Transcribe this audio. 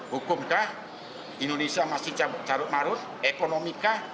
hukumkah indonesia masih carut marut ekonomikah